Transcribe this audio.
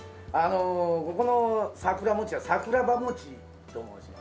ここのさくら餅は桜葉餅と申します。